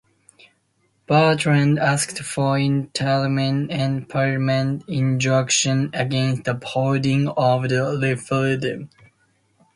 Bertrand asked for interim and permanent injunctions against the holding of the referendum.